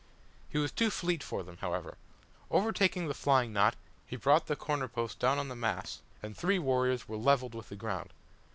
He was too fleet for them, however. Overtaking a flying knot, he brought the the corner post down on the mass, and three warriors were levelled with the ground.